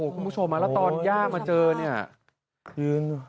คุณผู้ชมแล้วตอนย่ามาเจอเนี่ยคือ